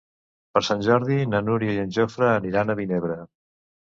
Per Sant Jordi na Núria i en Jofre aniran a Vinebre.